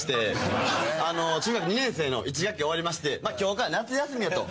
「中学２年生の１学期終わりまして今日から夏休みやと。